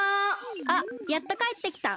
あっやっとかえってきた！